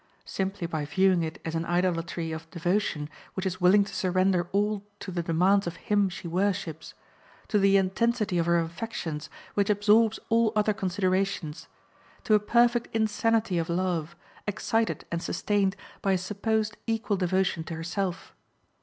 Simply by viewing it as an idolatry of devotion which is willing to surrender all to the demands of him she worships; to the intensity of her affections, which absorbs all other considerations; to a perfect insanity of love, excited and sustained by a supposed equal devotion to herself.